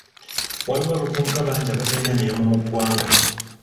Waliwo abavubuka bangi abatalina mirimu mu ggwanga.